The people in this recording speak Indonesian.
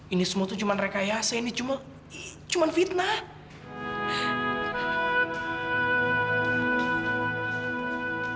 ini semua cuma rekayasa cuma fitnah